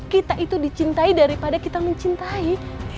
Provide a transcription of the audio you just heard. kita itu dicintai daripada kita mencintai